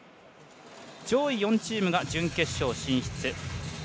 上位４チームが準決勝、進出。